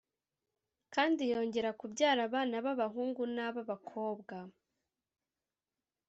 kandi yongera kubyara abana b’abahungu n’ab’abakobwa.